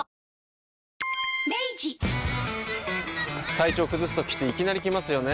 体調崩すときっていきなり来ますよね。